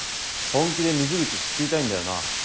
本気で水口救いたいんだよな？